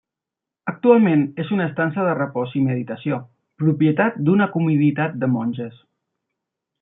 Actualment és una estança de repòs i meditació, propietat d'una comunitat de monges.